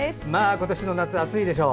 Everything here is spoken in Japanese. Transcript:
今年の夏、暑いでしょう。